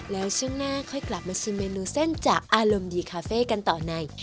แล้วช่วงหน้าค่อยกลับมาชิมเมนูเส้นจากอารมณ์ดีคาเฟ่กันต่อใน